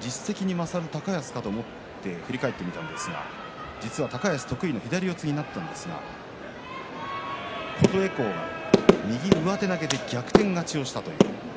実績に勝る高安かと思って振り返ってみたんですが実は高安得意の左四つになったんですが琴恵光が右上手投げで逆転勝ちをしたという。